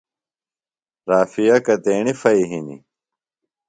رافعہ کتیݨی پھئیۡ ہِنیۡ؟